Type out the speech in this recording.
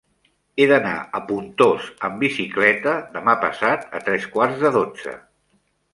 He d'anar a Pontós amb bicicleta demà passat a tres quarts de dotze.